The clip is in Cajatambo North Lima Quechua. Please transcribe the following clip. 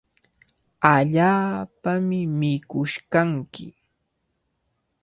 Allaapami mikush kanki.